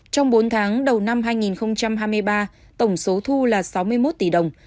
trong bốn tháng đầu năm hai nghìn hai mươi ba tổng số thu là sáu mươi một tỷ đồng